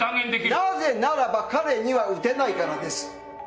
なぜならば彼には打てないからです。